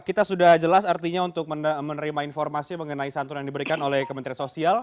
kita sudah jelas artinya untuk menerima informasi mengenai santunan yang diberikan oleh kementerian sosial